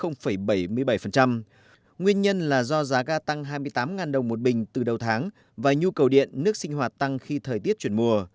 nguyên nhân là do giá ga tăng hai mươi tám đồng một bình từ đầu tháng và nhu cầu điện nước sinh hoạt tăng khi thời tiết chuyển mùa